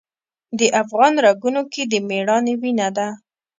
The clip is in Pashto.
د افغان رګونو کې د میړانې وینه ده.